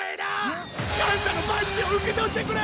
んっ？感謝のパンチを受け取ってくれ！